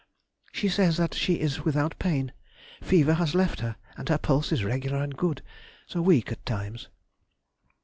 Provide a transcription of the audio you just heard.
She says that she is without pain; fever has left her, and her pulse is regular and good, though weak at times.